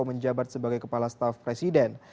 menjabat sebagai kepala staf presiden